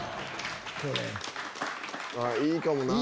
いいかもなぁ。